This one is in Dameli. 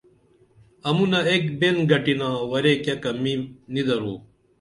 امونہ ایک بین گٹِنا ورے کیہ کمی نی درو